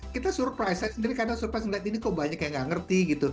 kita surprise aja sendiri kadang kadang surprise ngelihat ini kok banyak yang gak ngerti gitu